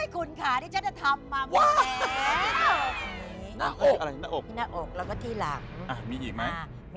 คุณขาที่ฉันจะทำมา